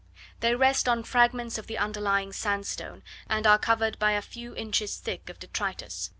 They rest on fragments of the underlying sandstone, and are covered by a few inches thick of detritus.